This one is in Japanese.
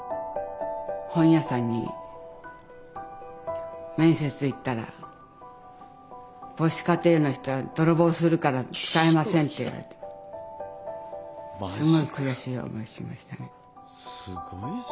本屋さんに面接へ行ったら母子家庭の人は泥棒をするから使えませんって言われてすごい悔しい思いしましたね。